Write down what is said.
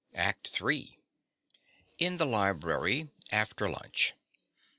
_) ACT III In the library after lunch.